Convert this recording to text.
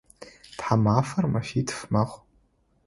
Тхьамафэр мэфитф мэхъу.